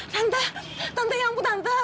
tante tante ya ampun tante